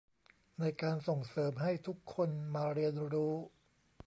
ในการส่งเสริมให้ทุกคนมาเรียนรู้